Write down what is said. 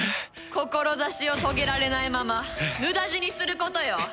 志を遂げられないまま無駄死にすることよ。